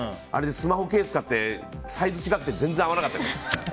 あれでスマホケース買ってサイズ違って、全然合わなかった。